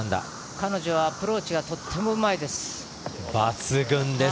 彼女はアプローチがとってもうまいです。